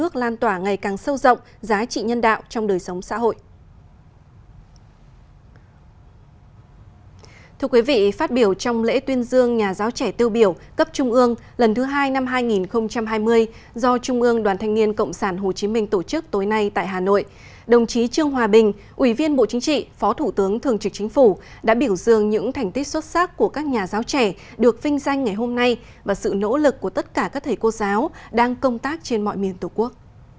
công chí trương hòa bình ủy viên bộ chính trị phó thủ tướng thường trực chính phủ đã biểu dường những thành tích xuất sắc của các nhà giáo trẻ được vinh danh ngày hôm nay và sự nỗ lực của tất cả các thầy cô giáo đang công tác trên mọi miền tổ quốc